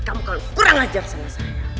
kamu kurang ajar sama saya